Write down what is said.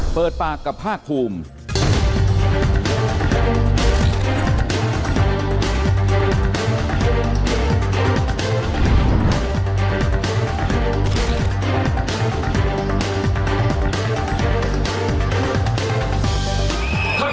เปิดปากกับภาคภูมิ